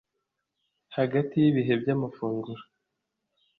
hagati yibihe bya mafunguro